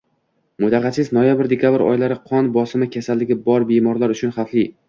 Mutaxassis: Noyabr—dekabr oylari qon bosimi kasalligi bor bemorlar uchun xavfli